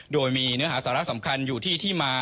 โดยมีเนื้อหาสาระสำคัญอยู่ที่ที่มา